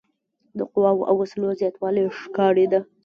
د قواوو او وسلو زیاتوالی ښکارېده.